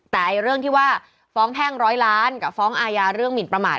แต่เรื่องที่ว่าฟ้องแพ่งร้อยล้านกับฟ้องอาญาเรื่องหมินประมาท